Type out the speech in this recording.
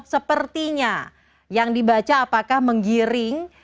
sepertinya yang dibaca apakah menggiring